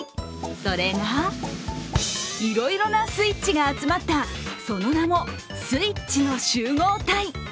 それがいろいろなスイッチが集まったその名も、スイッチの集合体。